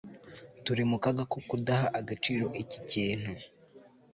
turi mu kaga ko kudaha agaciro iki kintu